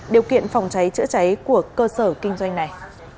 điều kiện phòng cháy chữa cháy của cơ sở kinh doanh này